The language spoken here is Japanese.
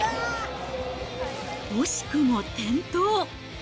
惜しくも転倒。